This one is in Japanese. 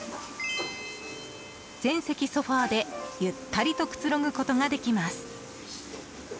全席ソファで、ゆったりとくつろぐことができます。